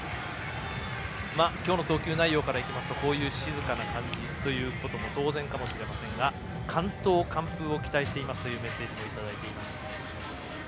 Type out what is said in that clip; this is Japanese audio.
今日の投球内容からいきますとこの静かな感じというのも当然かもしれませんが完投完封、期待しています！というメッセージもいただいています。